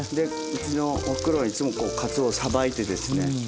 うちのおふくろはいつもこうかつおをさばいてですね